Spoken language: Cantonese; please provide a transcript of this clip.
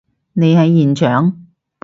你喺現場？